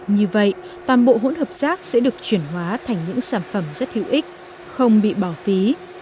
như vậy toàn bộ hỗn hợp rác sẽ được chuyển hóa thành những sản phẩm rất hữu ích không bị bỏ phí